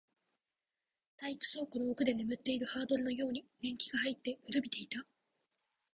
体育倉庫の奥で眠っているハードルのように年季が入って、古びていた